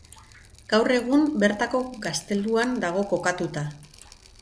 Gaur egun bertako gazteluan dago kokatuta.